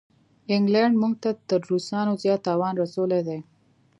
انګلینډ موږ ته تر روسانو زیات تاوان رسولی دی.